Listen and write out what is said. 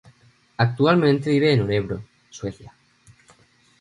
Actualmente vive en Örebro, Suecia.